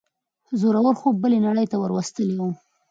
زوره ور خوب بلې نړۍ ته وروستلی وم.